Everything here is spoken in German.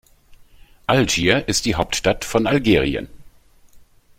Algier ist die Hauptstadt von Algerien.